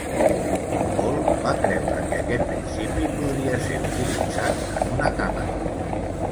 Paul va creure que aquest principi podria ser utilitzat en una càmera.